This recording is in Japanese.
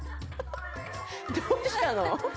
どうしたの？